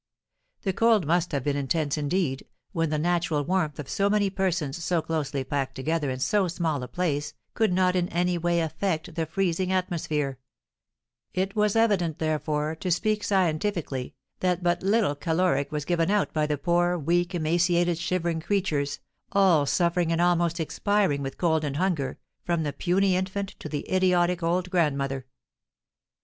The cold must have been intense, indeed, when the natural warmth of so many persons, so closely packed together in so small a place, could not in any way affect the freezing atmosphere; it was evident, therefore, to speak scientifically, that but little caloric was given out by the poor, weak, emaciated, shivering creatures, all suffering and almost expiring with cold and hunger, from the puny infant to the idiotic old grandmother.